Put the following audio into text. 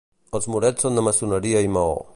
Els murets són de maçoneria i maó.